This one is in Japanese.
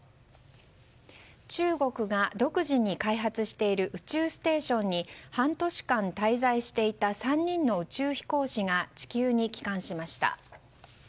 中国が独自に開発している宇宙ステーションに半年間滞在していた３人の宇宙飛行士が地球に帰還しました。